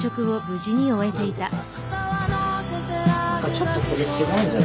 ちょっとこれ違うんじゃない？